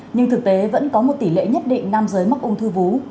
nhưng thực tế vẫn có một tỷ lệ nhất định nam giới mắc ung thư vú